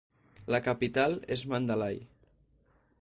La capital és Mandalay.